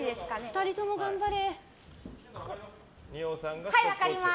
２人とも頑張れ。